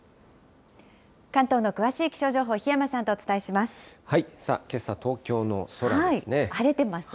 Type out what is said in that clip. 関東の詳しい気象情報、檜山さんとお伝えします。